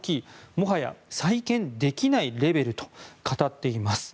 もはや再建できないレベルと語っています。